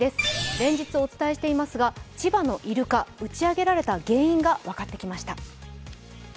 連日お伝えしていますが、千葉のイルカ、打ち上げられた原因が分かってきました。